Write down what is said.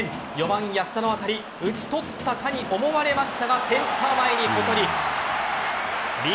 ４番・安田の当たり打ち取ったかに思われましたがセンター前にポトリ。